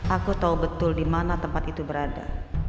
aku tahu betul dimana tempat itu berada